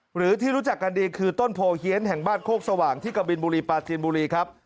หรือที่รู้จักกันดีคือต้นโพเฮียนแห่งบ้านโคกสว่างที่กะบินบุรีปาจีนบุรีครับ